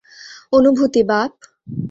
অনুভূতি, বাপ।